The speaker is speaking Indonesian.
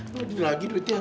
orang ini lagi duitnya